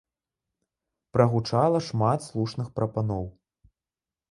Прагучала шмат слушных прапаноў.